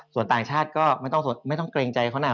ส่วนต่างชาติก็ไม่ต้องเกรงใจเขานะ